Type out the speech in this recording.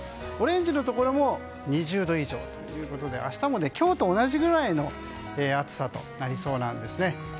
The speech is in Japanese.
オレンジのところも２０度以上ということで明日も今日と同じぐらいの暑さとなりそうなんですね。